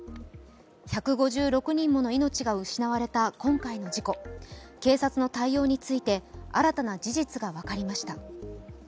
１５６人もの命が失われた今回の事故警察の対応について、新たな事実が分かりました。